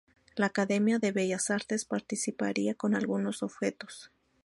La Academia de Bellas Artes participaría con algunos objetos.